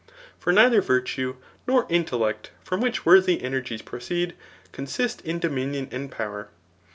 ]. For neither virtue, nor int^ lect^ from which worthy energies proceed, consist in dominion and powa*.